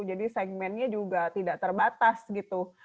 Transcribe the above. jadi segmennya juga tidak terbatas gitu